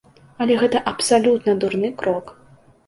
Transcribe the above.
Але гэта абсалютна дурны крок.